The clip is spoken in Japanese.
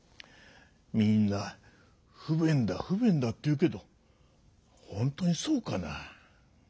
みんな不便だ不便だって言うけどほんとにそうかな？